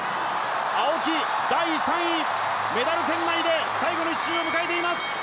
青木メダル圏内で最後の１周を迎えています。